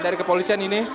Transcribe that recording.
dari kepolisian ini